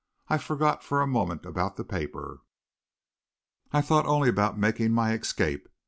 I forgot for a moment about the paper. I thought only about making my escape.